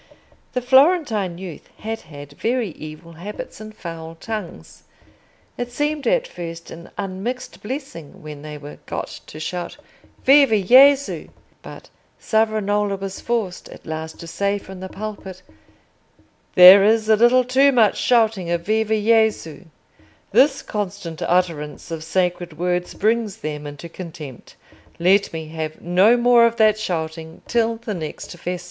The Florentine youth had had very evil habits and foul tongues: it seemed at first an unmixed blessing when they were got to shout "Viva Gesù!" But Savonarola was forced at last to say from the pulpit, "There is a little too much shouting of 'Viva Gesù!' This constant utterance of sacred words brings them into contempt. Let me have no more of that shouting till the next Festa."